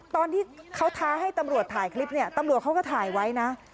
ตอนที่เขาท้าให้ตำรวจถ่ายคลิปเนี่ยตำรวจเขาก็ถ่ายไว้นะ